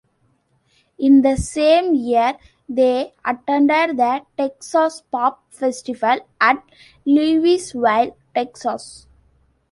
In the same year, they attended the Texas Pop Festival at Lewisville, Texas.